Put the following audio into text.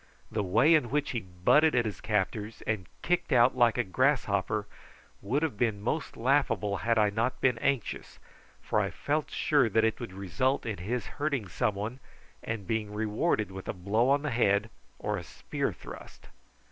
The way in which he butted at his captors, and kicked out like a grasshopper, would have been most laughable had I not been anxious, for I felt sure that it would result in his hurting some one, and being rewarded with a blow on the head or a spear thrust.